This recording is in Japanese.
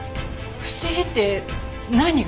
不思議って何が？